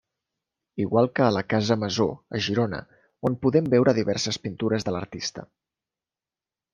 Igual que a la Casa Masó a Girona, on podem veure diverses pintures de l'artista.